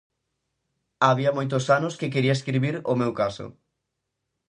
Había moitos anos que quería escribir o meu caso.